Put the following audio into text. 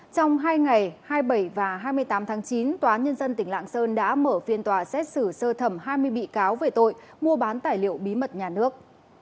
trong hai ngày hai mươi bảy và hai mươi tám tháng chín tòa nhân dân tỉnh lạng sơn đã mở phiên tòa xét xử sơ thẩm hai mươi bị cáo về tội mua bán tài liệu bí mật nhà nước